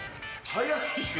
早いよ。